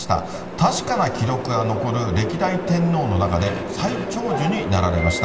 確かな記録が残る、歴代天皇の中で、最長寿になられました。